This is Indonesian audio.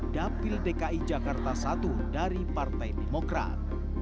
dapil dki jakarta satu dari partai demokrat